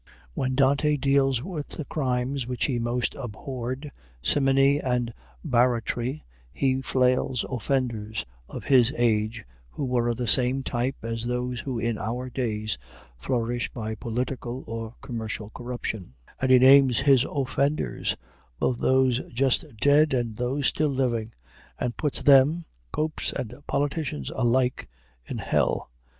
When Dante deals with the crimes which he most abhorred, simony and barratry, he flails offenders of his age who were of the same type as those who in our days flourish by political or commercial corruption; and he names his offenders, both those just dead and those still living, and puts them, popes and politicians alike, in hell.